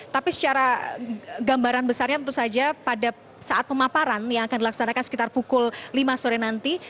tapi secara gambaran besarnya tentu saja pada saat pemaparan yang akan dilaksanakan sekitar pukul lima sore nanti